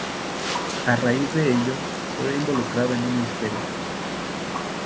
A raíz de ello, se ve involucrada en un misterio.